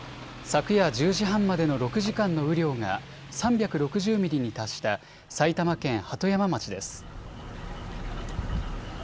昨夜１０時半までの６時間の雨量が３６０ミリに達した埼玉県鳩山町です。